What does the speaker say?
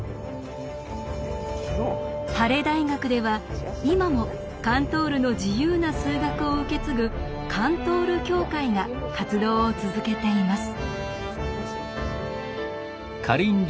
ハレ大学では今もカントールの自由な数学を受け継ぐ「カントール協会」が活動を続けています。